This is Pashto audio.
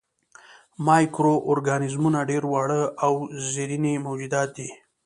مایکرو ارګانیزمونه ډېر واړه او زرېبيني موجودات دي.